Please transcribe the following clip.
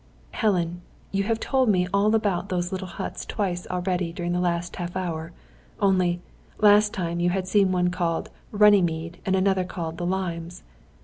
'" "Helen, you have told me all about those little huts twice already, during the last half hour. Only, last time you had seen one called 'Runnymead,' and another called 'The Limes.'